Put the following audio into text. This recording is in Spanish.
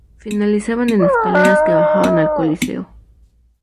Finalizaban en escaleras que bajaban al Coliseo.